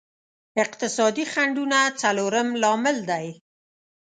اقتصادي خنډونه څلورم لامل دی.